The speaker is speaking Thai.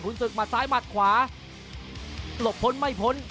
คุณศึกหัดซ้ายหมัดขวาหลบพ้นไม่พ้น